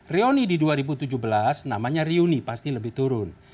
rioni di dua ribu tujuh belas namanya riuni pasti lebih turun